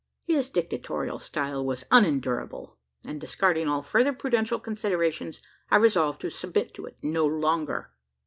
His dictatorial style was unendurable; and discarding all further prudential considerations, I resolved to submit to it no longer.